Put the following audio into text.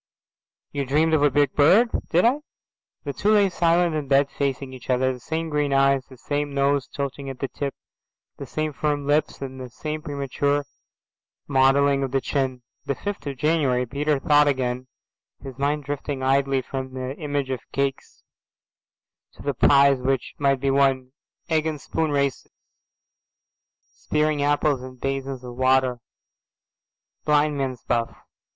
"You dreamed of a big bird." "Did I?" The two lay silent in bed facing each other, the same green eyes, the same nose tilting at the tip, the same firm lips, and the same premature modelling of the chin. The fifth of January, Peter thought again, his mind drifting idly from the image of cakes to the prizes which might be won. Egg and spoon races, spearing apples in basins of water, blind man's buff.